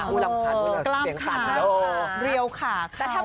ลำขาเหมือนกับเสียงสันโอ้โฮเรียวขาเขาลำขา